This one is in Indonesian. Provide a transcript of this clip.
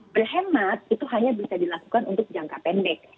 berhemat itu hanya bisa dilakukan untuk jangka pendek